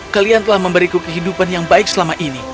kalian telah memberiku kehidupan yang baik selama ini